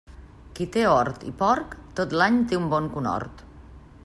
Qui té hort i porc, tot l'any té un bon conhort.